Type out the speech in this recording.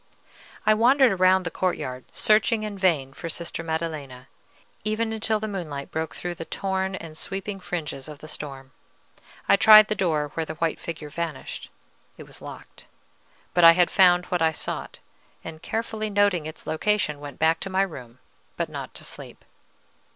I wandered around the courtyard, searching in vain for Sister Maddelena, even until the moonlight broke through the torn and sweeping fringes of the storm. I tried the door where the white figure vanished: it was locked; but I had found what I sought, and, carefully noting its location, went back to my room, but not to sleep.